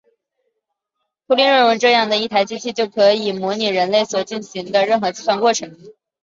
图灵认为这样的一台机器就能模拟人类所能进行的任何计算过程。